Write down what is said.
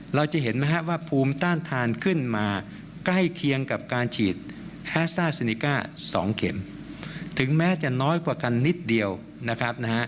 ลองฟังเสียงหมอยงดูนะคะ